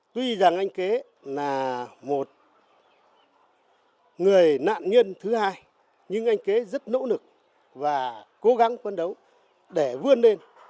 tuy rằng anh kế là một người nạn nhân thứ hai nhưng anh kế rất nỗ lực và cố gắng phấn đấu để vươn lên